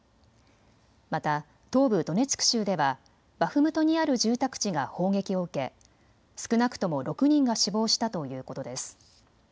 また東部ドネツク州ではバフムトにある住宅地が砲撃を受け少なくとも６人が死亡したということです。